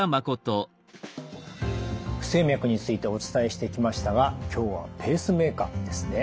不整脈についてお伝えしてきましたが今日はペースメーカーですね。